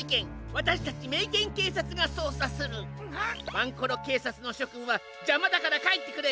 ワンコロけいさつのしょくんはじゃまだからかえってくれ。